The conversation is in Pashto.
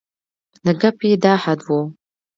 د ګپ یې دا حد و.